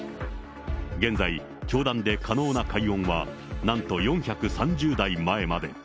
現在、教団で可能な解怨は、なんと４３０代前まで。